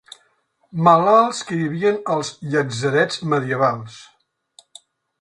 Malalts que vivien als llatzerets medievals.